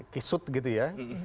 kisut gitu ya